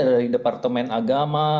dari departemen agama